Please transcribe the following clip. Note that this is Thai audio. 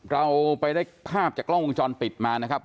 เราไปได้ภาพจากกล้องวงจรปิดมานะครับ